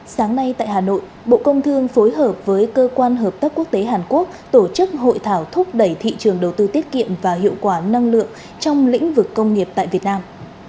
sáng nay tại hà nội bộ công thương phối hợp với cơ quan hợp tác quốc tế hàn quốc tổ chức hội thảo thúc đẩy thị trường đầu tư tiết kiệm và hiệu quả năng lượng trong lĩnh vực công nghiệp tại việt nam